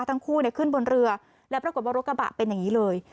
ทั้งคู่ขึ้นบนเรือแล้วปรากฏว่ารถกระบะเป็นอย่างนี้เลย